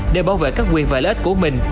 để bảo vệ các quyền và lợi ích của mình